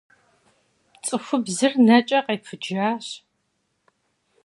Цӏыхубзыр нэкӏэ къепыджащ.